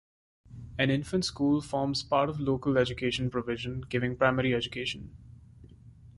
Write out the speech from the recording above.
An infant school forms part of local education provision giving primary education.